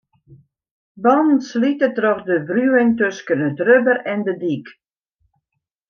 Bannen slite troch de wriuwing tusken it rubber en de dyk.